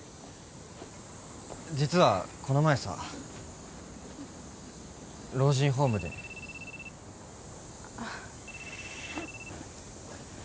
実はこの前さ老人ホームで。あっ。